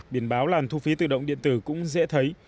biển báo làn thu phí tự động điện tử cũng dễ thấy